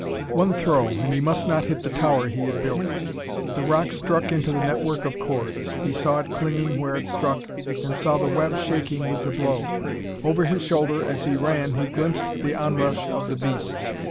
One throw and he must not hit the tower he had built.... The rock struck into the network of cords; he saw it clinging where it struck, and saw the web shaking with the blow. Over his shoulder, as he ran, he glimpsed the onrush of the beast.